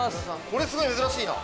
これすごい珍しいな。